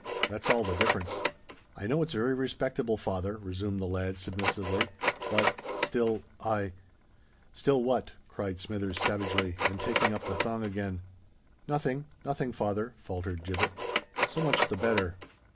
That's all the difference." "I know it's very respectable, father," resumed the lad, submissively; "but—still—I——" "Still what?" cried Smithers, savagely, and taking up the thong again. "Nothing—nothing, father," faltered Gibbet. "So much the better.